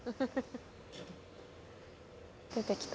出て来た。